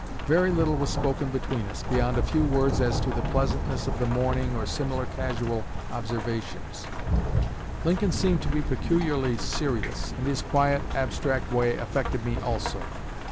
Very little was spoken between us, beyond a few words as to the pleasantness of the morning or similar casual observations. Lincoln seemed to be peculiarly serious, and his quiet, abstract way affected me also.